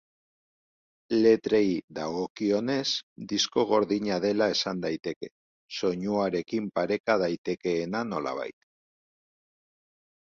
Letrei dagokionez disko gordina dela esan daiteke, soinuarekin pareka daitekeena nolabait.